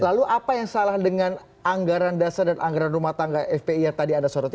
lalu apa yang salah dengan anggaran dasar dan anggaran rumah tangga fpi yang tadi anda soroti